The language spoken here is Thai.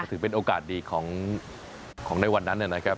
ถือเป็นโอกาสดีของในวันนั้นนะครับ